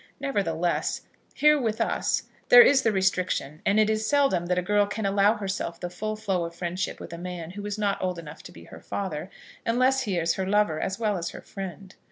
Nevertheless, here with us, there is the restriction, and it is seldom that a girl can allow herself the full flow of friendship with a man who is not old enough to be her father, unless he is her lover as well as her friend.